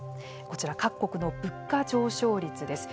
こちら、各国の物価上昇率です。